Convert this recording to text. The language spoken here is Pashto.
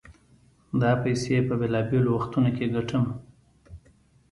دا پيسې په بېلابېلو وختونو کې ګټم.